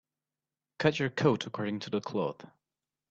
Cut your coat according to the cloth.